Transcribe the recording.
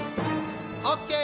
オッケー！